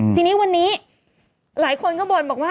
ทีนี้วันนี้หลายคนก็บ่นบอกว่า